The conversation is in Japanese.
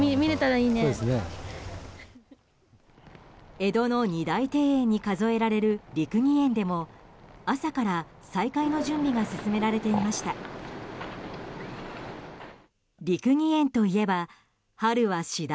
江戸の二大庭園に数えられる六義園でも朝から再開の準備が進められていました。